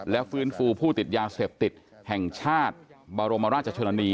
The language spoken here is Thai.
และฟื้นฟูผู้ติดยาเสพติดแห่งชาติบรมราชชนนี